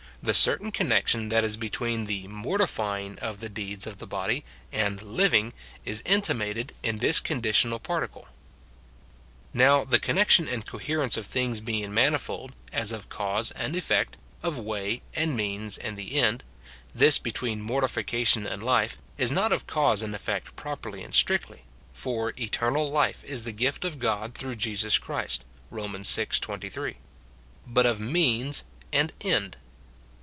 The certain connection that is between the mortifying of the deeds of the body and living is intimated in this conditional particle. Now^, the connection and coherence of things being manifold, as of cause and effect, of way and means and the end, this between mortification and life is not of cause and effect properly and strictly, — for " eternal life is the gift of God through Jesus Christ," Rom. vi. 23, — but of means and end.